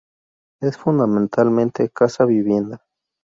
Es fundamentalmente casa vivienda.